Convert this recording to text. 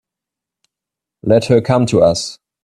Let her come to us.